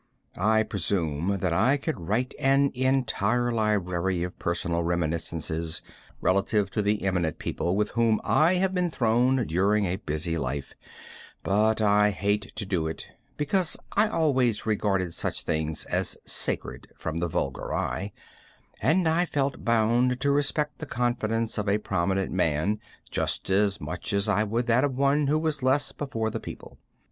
I presume that I could write an entire library of personal reminiscences relative to the eminent people with whom I have been thrown during a busy life, but I hate to do it, because I always regarded such things as sacred from the vulgar eye, and I felt bound to respect the confidence of a prominent man just as much as I would that of one who was less before the people.